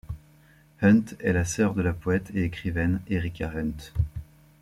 Hunt est la sœur de la poète et écrivaine, Erica Hunt.